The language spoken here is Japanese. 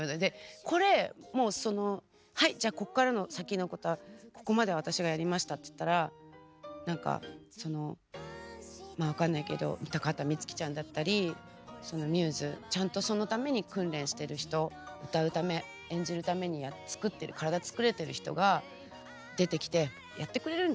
これもうそのはいじゃあここから先のことはここまで私がやりましたって言ったら何かまあ分かんないけど高畑充希ちゃんだったりそのミューズちゃんとそのために訓練してる人歌うため演じるために体を作れてる人が出てきてやってくれるんじゃん。